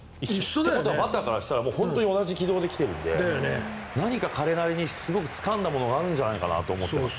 ということはバッターからしたら同じ軌道で来ているので何か彼なりにすごくつかんだものがあるんじゃないかと思っています。